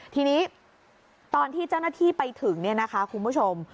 ทีนี้ตอนที่เจ้าหน้าที่ไปถึงเนี่ยนะคะคุณผู้ชม